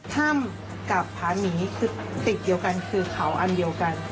ถ้ำกับผาหมีคือติดเดียวกันคือเขาอันเดียวกัน